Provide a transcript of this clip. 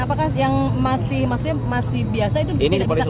apakah yang masih maksudnya masih biasa itu tidak bisa keluar